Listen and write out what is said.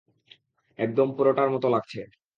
একদম পোরোটার মত লাগছে।